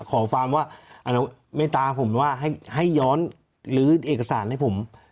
ขอฟังว่าไม่ตามผมว่าให้ย้อนหรือเอกสารให้ผม